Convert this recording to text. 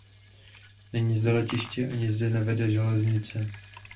Není zde letiště a ani zde nevede železnice.